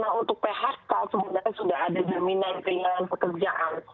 nah untuk phk sebenarnya sudah ada jaminan kehilangan pekerjaan